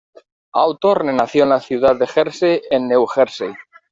Hawthorne nació en la ciudad de Jersey en New Jersey.